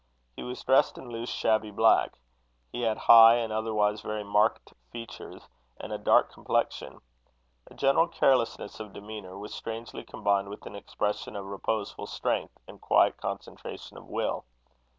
He was dressed in loose, shabby black. He had high and otherwise very marked features, and a dark complexion. A general carelessness of demeanour was strangely combined with an expression of reposeful strength and quiet concentration of will.